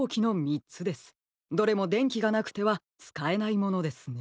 どれもでんきがなくてはつかえないものですね。